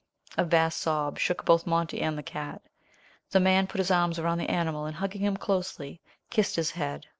A vast sob shook both Monty and the cat. The man put his arms around the animal, and hugging him closely, kissed his head.